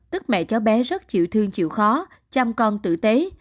tức mẹ cháu bé rất chịu thương chịu khó chăm con tử tế